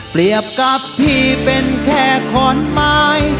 เปรียบกับพี่เป็นแค่ขอนไม้